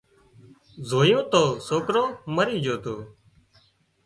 زويون تو سوڪرو مرِي جھو تو